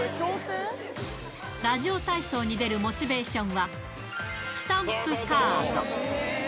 ラジオ体操に出るモチベーションは、スタンプカード。